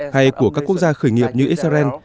hay của các quốc gia khởi nghiệp như israel